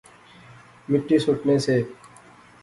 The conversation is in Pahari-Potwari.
مٹی سٹنے سے